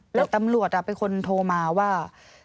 แล้วตำรวจเป็นคนโทรมาว่า